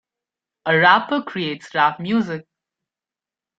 A rapper creates rap music.